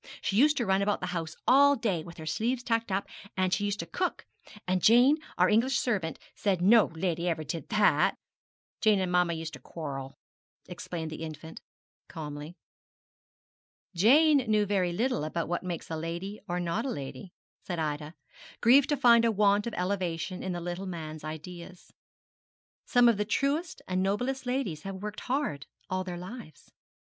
She used to run about the house all day with her sleeves tucked up, and she used to cook; and Jane, our English servant, said no lady ever did that. Jane and mamma used to quarrel,' explained the infant, calmly. 'Jane knew very little about what makes a lady or not a lady,' said Ida, grieved to find a want of elevation in the little man's ideas. 'Some of the truest and noblest ladies have worked hard all their lives.'